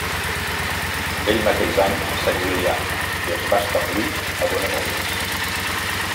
Aquell mateix any s'exilià i es va establir a Buenos Aires.